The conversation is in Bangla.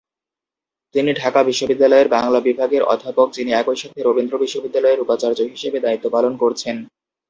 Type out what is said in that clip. তিনি ঢাকা বিশ্ববিদ্যালয়ের বাংলা বিভাগের অধ্যাপক যিনি একই সাথে রবীন্দ্র বিশ্ববিদ্যালয়ের উপাচার্য হিসেবে দায়িত্ব পালন করছেন।